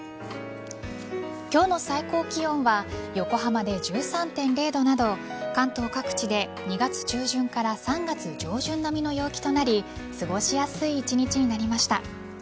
今日の最高気温は横浜で１３．０度など関東各地で２月中旬から３月上旬並みの陽気となり過ごしやすい一日になりました。